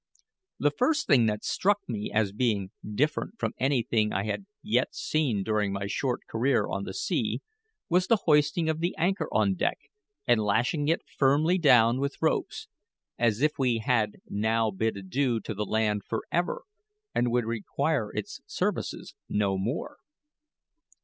The first thing that struck me as being different from anything I had yet seen during my short career on the sea, was the hoisting of the anchor on deck and lashing it firmly down with ropes, as if we had now bid adieu to the land for ever and would require its services no more.